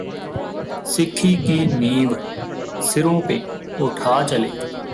ਸਿੱਖੀ ਕੀ ਨੀਂਵ ਸਿਰੋਂ ਪੇ ਉਠਾ ਚਲੇ